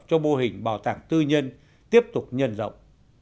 cho mô hình bảo tàng tư nhân tiếp tục nhân rộng